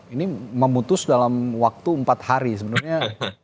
ini memutus dalam waktu empat hari sebenarnya